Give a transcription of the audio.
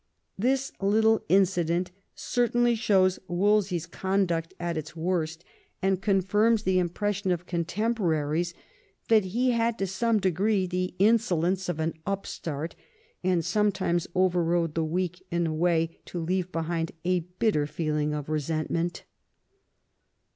This little incident certainly shows Wolsey's conduct at its worst, and confirms the impression of contemporaries, that he had to some degree the insolence of an upstart^ and sometimes overrode the weak in a way to leave behind a bitter feeling of resentment.